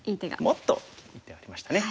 もっといい手ありましたね。